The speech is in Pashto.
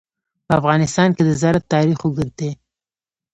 په افغانستان کې د زراعت تاریخ اوږد دی.